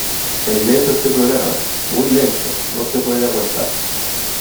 ¡Es lento este programa, muy lento, no se puede aguantar!